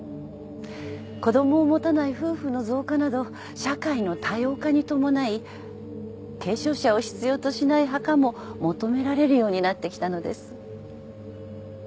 子供を持たない夫婦の増加など社会の多様化に伴い継承者を必要としない墓も求められるようになってきたのです。